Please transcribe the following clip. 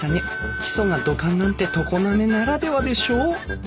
基礎が土管なんて常滑ならではでしょ？」